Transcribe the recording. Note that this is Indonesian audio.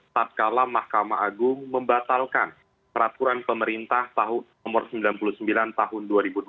tatkala mahkamah agung membatalkan peraturan pemerintah tahun nomor sembilan puluh sembilan tahun dua ribu dua belas